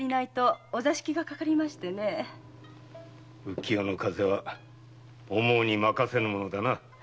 浮世の風は思うにまかせぬものだな。